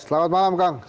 selamat malam kang